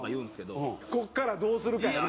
ここからどうするかやな。